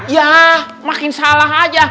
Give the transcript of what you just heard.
ya makin salah aja